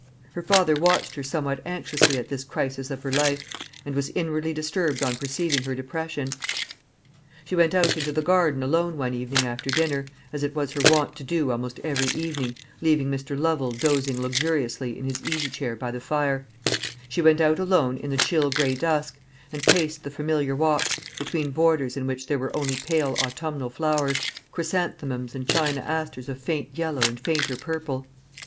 Her father watched her somewhat anxiously at this crisis of her life, and was inwardly disturbed on perceiving her depression. She went out into the garden alone one evening after dinner, as it was her wont to do almost every evening, leaving Mr. Lovel dozing luxuriously in his easy chair by the fire she went out alone in the chill gray dusk, and paced the familiar walks, between borders in which there were only pale autumnal flowers, chrysanthemums and china asters of faint yellow and fainter purple.